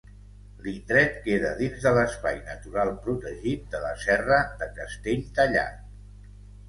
L'indret queda dins de l'espai natural protegit de la Serra de Castelltallat.